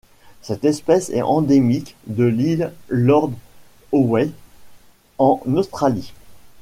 Cette espèce est endémique de l'île Lord Howe en Australie.